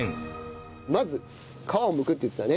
まず皮を剥くって言ってたね。